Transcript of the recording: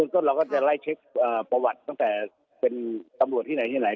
ก็เราก็จะไล่เช็คประวัติตั้งแต่เป็นตำรวจที่ไหนที่ไหน